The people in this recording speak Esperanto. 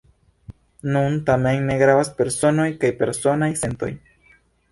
Nun, tamen, ne gravas personoj kaj personaj sentoj.